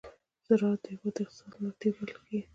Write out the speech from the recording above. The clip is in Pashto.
زراعت د هېواد د اقتصاد ملا تېر بلل کېږي.